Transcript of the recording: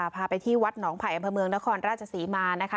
พาไปที่วัดหนองไผ่อำเภอเมืองนครราชศรีมานะคะ